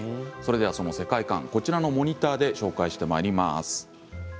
世界観、こちらのモニターで紹介してまいります。